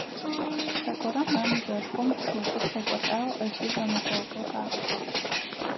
Зэгорэм а мыжъошхом шыу куп къекӏолӏагъ ыкӏи зэнэкъокъур рагъэжьагъ.